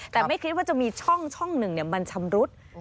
แต่ไม่คิดว่าจะมีช่องหนึ่งมันชำรุด